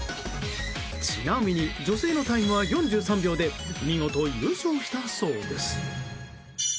ちなみに女性のタイムは４３秒で見事、優勝したそうです。